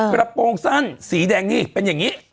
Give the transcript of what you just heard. กระโปรงสั้นสีแดงนี่เป็นอย่างนี้